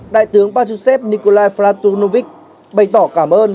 đại tướng patrushev nikolai platonovic bày tỏ cảm ơn